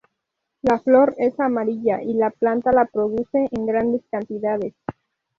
La flor es amarilla y la planta la produce en grandes cantidades.